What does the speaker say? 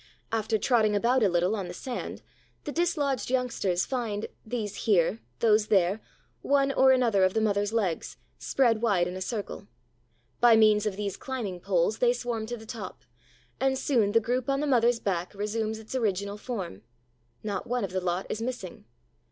After trotting about a little on the sand, the dislodged youngsters find, these here, those there, one or another of the mother's legs, spread wide in a circle. By means of these climbing poles they swarm to the top, and soon the group on the mother's back resumes its original form. Not one of the lot is missing.